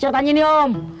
caranya nih om